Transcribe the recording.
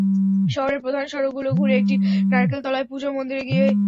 শহরের প্রধান সড়কগুলো ঘুরে এটি নারকেলতলায় পূজা মন্দিরে গিয়ে শেষ হয়।